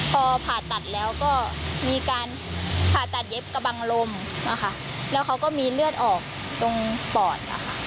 พอผ่าตัดแล้วก็มีการหายดอาหารเย็บกระบังลมที่มีเลือดออกตรงปอด